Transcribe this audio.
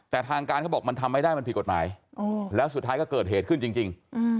แต่ทางการเขาบอกมันทำไม่ได้มันผิดกฎหมายแล้วสุดท้ายก็เกิดเหตุขึ้นจริง